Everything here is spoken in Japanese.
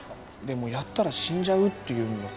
でもやったら死んじゃうっていうんだから。